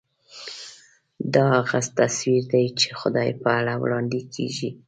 دا هغه تصویر دی چې خدای په اړه وړاندې کېږي.